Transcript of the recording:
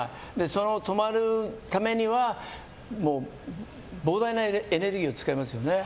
止まるためには膨大なエネルギーを使いますよね。